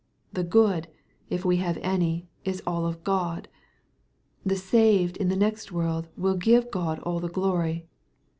The good, if we have anj[^is3ll of God. The saved in the next worid will give God all the glory.